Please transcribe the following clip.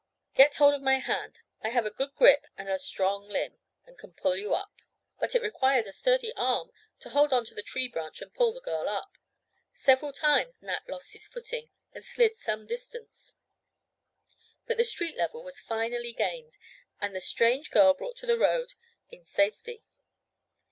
"Get hold of my hand. I have a good grip on a strong limb, and can pull you up." But it required a sturdy arm to hold on to the tree branch and pull the girl up. Several times Nat lost his footing and slid some distance, but the street level was finally gained, and the strange girl brought to the road in safety.